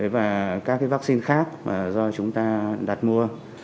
và các vaccine khác do chúng ta đặt mua